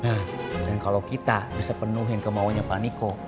nah dan kalo kita bisa penuhin kemauannya paniko